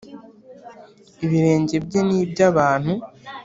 Ibirenge bye n iby abantu